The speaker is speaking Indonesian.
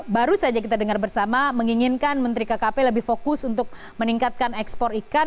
baru saja kita dengar bersama menginginkan menteri kkp lebih fokus untuk meningkatkan ekspor ikan